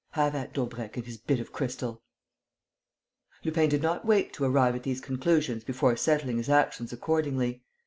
Have at Daubrecq and his bit of crystal!" Lupin did not wait to arrive at these conclusions before settling his actions accordingly.